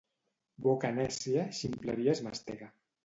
Boca nècia, ximpleries mastega.